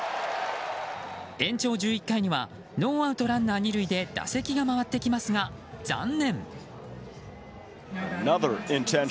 延長１１回にはノーアウト、ランナー２塁で打席が回ってきますが、残念。